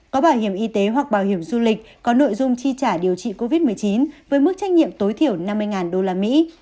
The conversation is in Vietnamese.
có bảo hiểm y tế hoặc bảo hiểm du lịch có nội dung chi trả điều trị covid một mươi chín với mức trách nhiệm tối thiểu năm mươi đô la mỹ